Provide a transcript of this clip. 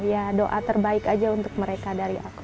ya doa terbaik aja untuk mereka dari aku